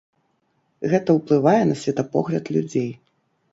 Гэта ўплывае на светапогляд людзей.